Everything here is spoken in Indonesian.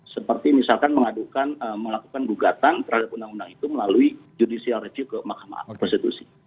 seperti misalkan melakukan gugatan terhadap undang undang itu melalui judicial review ke mahkamah konstitusi